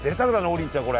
王林ちゃんこれ！